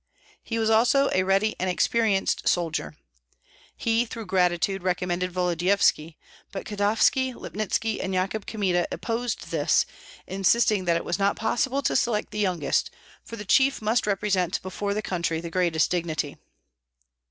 He was also a ready and experienced soldier. He, through gratitude, recommended Volodyovski; but Kotovski, Lipnitski, and Yakub Kmita opposed this, insisting that it was not possible to select the youngest, for the chief must represent before the country the greatest dignity.